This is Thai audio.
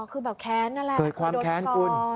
อ๋อคือแบบแค้นนั่นแหละแต่เคยโดนก่อน